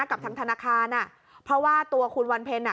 กับทางธนาคารอ่ะเพราะว่าตัวคุณวันเพ็ญอ่ะ